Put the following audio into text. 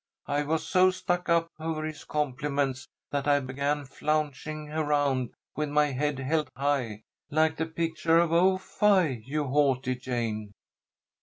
I was so stuck up over his compliments that I began flouncing around with my head held high, like the picture of 'Oh, fie! you haughty Jane.'"